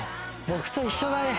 僕と一緒だね。